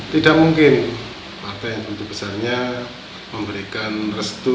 tidak mungkin partai yang begitu besarnya memberikan restu